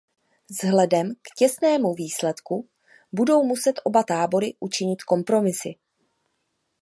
Vzhledem k těsnému výsledku, budou muset oba tábory učinit kompromisy.